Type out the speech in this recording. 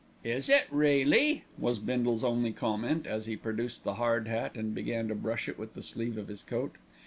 "Is it really?" was Bindle's only comment, as he produced the hard hat and began to brush it with the sleeve of his coat.